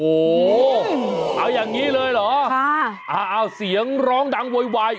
โอ้โหเอาอย่างนี้เลยเหรอเอาเสียงร้องดังโวยวาย